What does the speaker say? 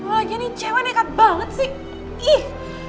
oh ini cewek deket banget sih